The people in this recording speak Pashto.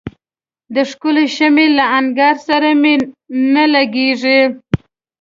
د ښکلي شمعي له انګار سره مي نه لګیږي